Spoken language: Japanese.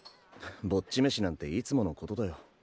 ぼっち飯なんていつものことだよ。